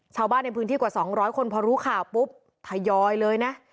ชาวบ้านในพื้นที่กว่า๒๐๐คนพอรู้ข่าวปุ๊บทยอยเลยนะ